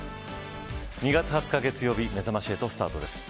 ２月２０日、月曜日めざまし８スタートです。